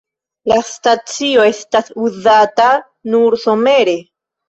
La stacio estas uzata nur somere.